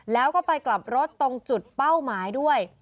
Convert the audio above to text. แล้วก็ไปกลับรถตรงจุดเป้าหมายด้วย